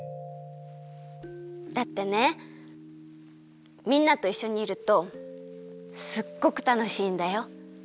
だってねみんなといっしょにいるとすっごくたのしいんだよ。